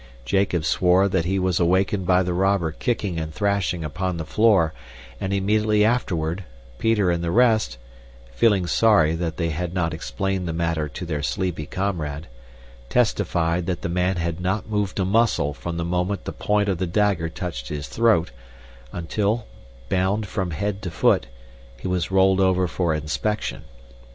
Jacob swore that he was awakened by the robber kicking and thrashing upon the floor, and immediately afterward, Peter and the rest (feeling sorry that they had not explained the matter to their sleepy comrade) testified that the man had not moved a muscle from the moment the point of the dagger touched his throat, until, bound from head to foot, he was rolled over for inspection.